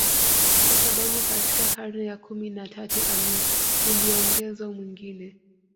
kwa sababu katika karne ya kumi na tatu uliongezwa mwingine